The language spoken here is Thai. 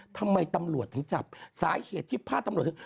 ทำไมตำรวจถึงจับสาเหตุที่พาดตำรวจถึง